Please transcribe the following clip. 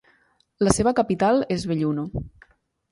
La seva capital és Belluno.